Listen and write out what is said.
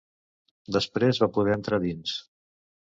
Després va poder entrar dins.